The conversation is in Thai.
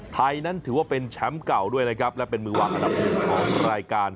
ไทยนั้นถือว่าเป็นแชมป์เก่าด้วยนะครับและเป็นมือวางอันดับหนึ่งของรายการ